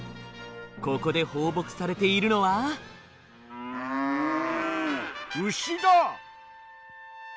ここで放牧されているのは牛だ！